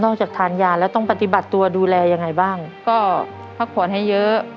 จากทานยาแล้วต้องปฏิบัติตัวดูแลยังไงบ้างก็พักผ่อนให้เยอะ